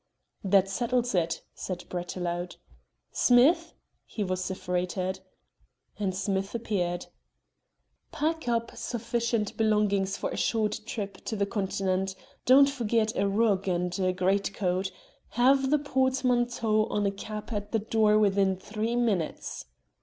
"That settles it," said Brett aloud. "Smith," he vociferated. And Smith appeared. "Pack up sufficient belongings for a short trip to the Continent. Don't forget a rug and a greatcoat. Have the portmanteau on a cab at the door within three minutes."